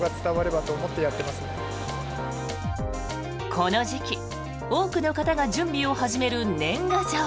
この時期、多くの方が準備を始める年賀状。